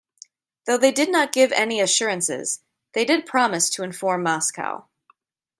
Though they did not give any assurances, they did promise to inform Moscow.